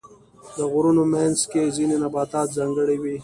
د غرونو منځ کې ځینې نباتات ځانګړي وي.